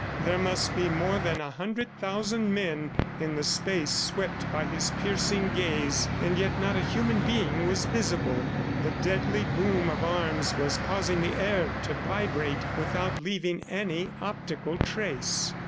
There must be more than a hundred thousand men in the space swept by his piercing gaze, and yet not a human being was visible. The deadly boom of arms was causing the air to vibrate without leaving any optical trace.